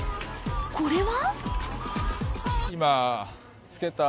これは？